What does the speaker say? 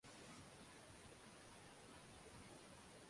気軽に見れる番組が増えてきた